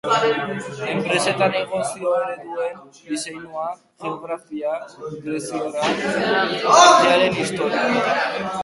Enpresa eta Negozio Ereduen Diseinua, Geografia, Greziera, Artearen Historia.